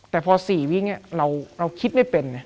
แต่พอ๔วิกเราคิดไม่เป็นไง